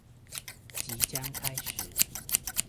即將開始